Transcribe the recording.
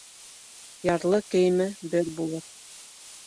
Ярлы кейеме бер булыр